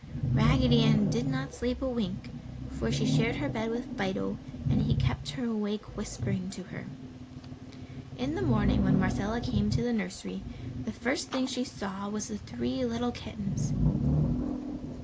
Raggedy Ann did not sleep a wink, for she shared her bed with Fido and he kept her awake whispering to her. In the morning when Marcella came to the nursery, the first thing she saw was the three little kittens.